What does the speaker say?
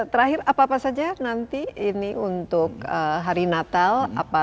terakhir apa apa saja nanti ini untuk hari natal